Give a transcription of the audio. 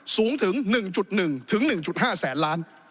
สูงถึง๑๑๑๕แสนล้าน